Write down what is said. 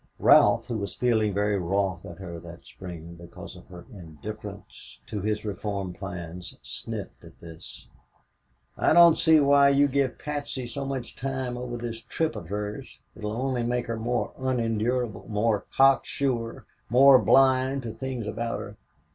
Ralph, who was feeling very wroth at her that spring because of her indifference to his reform plans, sniffed at this. "I don't see why you give Patsy so much time over this trip of hers. It will only make her more unendurable, more cocksure, more blind to things about her.